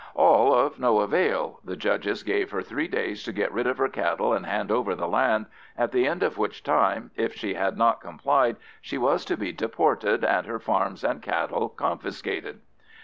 All of no avail—the judges gave her three days to get rid of her cattle and hand over the land, at the end of which time if she had not complied she was to be deported, and her farms and cattle confiscated.